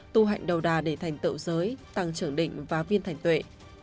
tu hạnh đầu đà để thành tựu giới tăng trưởng định và viên thành tuệ